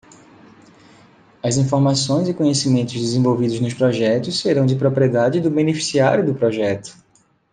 As informações e conhecimentos desenvolvidos nos projetos serão de propriedade do beneficiário do projeto.